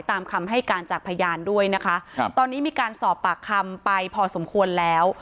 ตามคำให้การจากพยานด้วยนะคะครับตอนนี้มีการสอบปากคำไปพอสมควรแล้ว